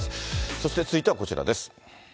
そして続いてはこちらです。